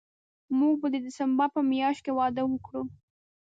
موږ به د ډسمبر په میاشت کې واده وکړو